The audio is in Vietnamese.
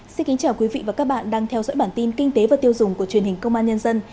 xin kính chào quý vị và các bạn đang theo dõi bản tin kinh tế và tiêu dùng của truyền hình công an nhân dân